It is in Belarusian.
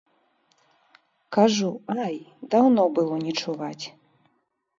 Кажу, ай, даўно было не чуваць.